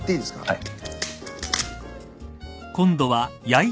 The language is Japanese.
はい。